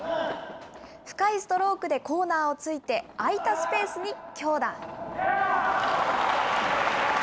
深いストロークでコーナーを突いて、空いたスペースに強打。